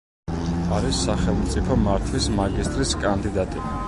არის სახელმწიფო მართვის მაგისტრის კანდიდატი.